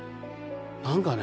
何かね